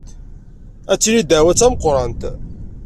Ad tili ddeɛwa d tameqrant.